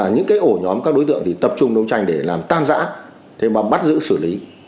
những ổ nhóm các đối tượng tập trung đấu tranh để làm tan giã bắt giữ xử lý